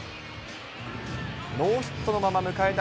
ノーヒットのまま迎えた